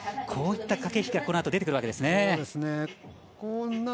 こういった駆け引きがこのあとは出てくるんですね。